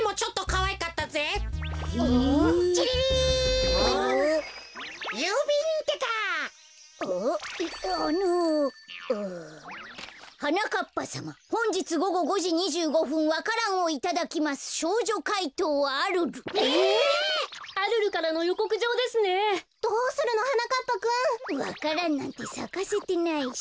わか蘭なんてさかせてないし。